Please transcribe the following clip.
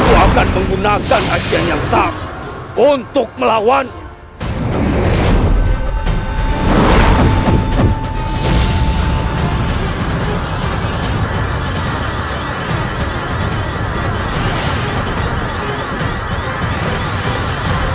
aku akan menggunakan hajian yang takut untuk melawannya